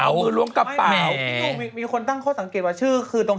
เอามือล้วงกระเป๋าแหมไม่ฟะพี่หนูมีมีคนตั้งเข้าสังเกตว่าชื่อคือตรง